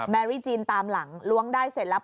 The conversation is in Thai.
แมรี่จีนตามหลังล้วงได้เสร็จแล้ว